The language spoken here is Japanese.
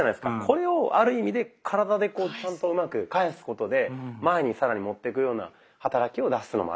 これをある意味で体でこうちゃんとうまく返すことで前に更に持ってくような働きを出すのもあるんですよね。